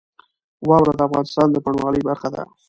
واوره د افغانستان د بڼوالۍ برخه ده.